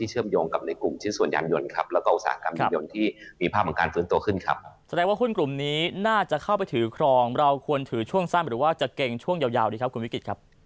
หรือว่าจะเก่งช่วงยาวดีครับคุณวิกฤตครับ